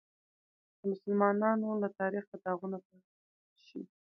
د مسلمانانو له تاریخه داغونه پاک شي.